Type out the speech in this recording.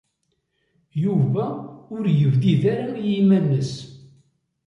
Yuba ur yebdid ara i yiman-nnes.